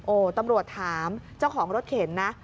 โอ้โหตำรวจถามเจ้าของรถเข็นนะ